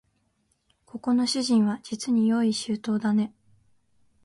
ここの主人はじつに用意周到だね